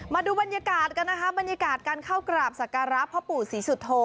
มาดูบรรยากาศกันนะคะบรรยากาศการเข้ากราบสักการะพ่อปู่ศรีสุโธ